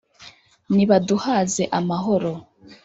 nibaduhaze amahoro!